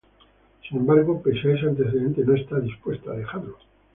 Sin embargo, pese a ese antecedente, no está dispuesta a dejarlo.